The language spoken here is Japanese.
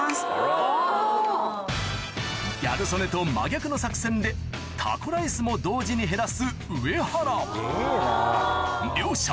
ギャル曽根と真逆の作戦でタコライスも同時に減らす上原両者